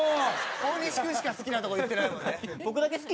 大西君しか好きなとこ言ってないもんね。